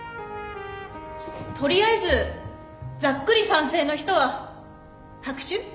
取りあえずざっくり賛成の人は拍手？